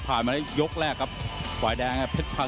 หมดยกครับหมดยก